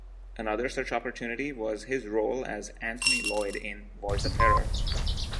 Another such opportunity was his role as Anthony Lloyd in "Voice of Terror".